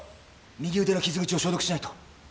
右腕の傷口を消毒しないと！